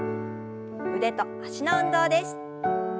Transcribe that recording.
腕と脚の運動です。